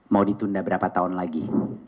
mau ditunda berapa tahun lagi